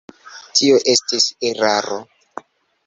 Tio estis eraro.